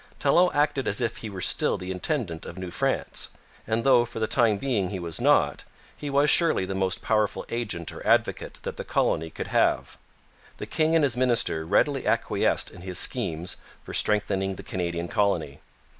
Talon acted as if he were still the intendant of New France; and though for the time being he was not, he was surely the most powerful agent or advocate that the colony could have. The king and his minister readily acquiesced in his schemes for strengthening the Canadian colony.